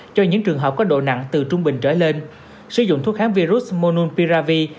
cho những trường hợp có độ nặng từ trung bình trở lên sử dụng thuốc kháng virus mononpiravir